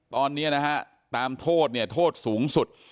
ตอนนี้นะฮะตามโทษเนี่ยโทษสูงสุด